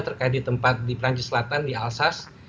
terkait di tempat di perancis selatan di alsas